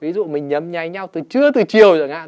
ví dụ mình nhấm nhay nhau từ trưa tới chiều chẳng hạn